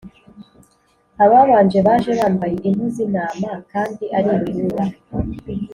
Ababanje baje bambaye impu z'intama kandi ari ibirura,